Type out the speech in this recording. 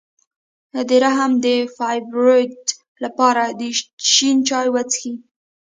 د رحم د فایبرویډ لپاره د شین چای وڅښئ